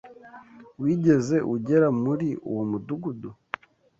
Wigeze ugera muri uwo mudugudu?